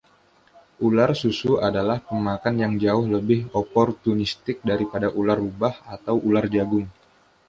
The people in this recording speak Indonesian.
Ular susu adalah pemakan yang jauh lebih oportunistik daripada ular rubah atau ular jagung.